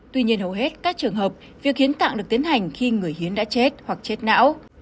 tuy nhiên hầu hết các trường hợp việc hiến tạng được tiến hành khi người hiến đã chết hoặc chết não